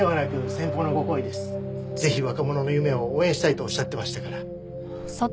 ぜひ若者の夢を応援したいとおっしゃってましたから。